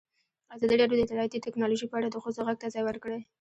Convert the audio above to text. ازادي راډیو د اطلاعاتی تکنالوژي په اړه د ښځو غږ ته ځای ورکړی.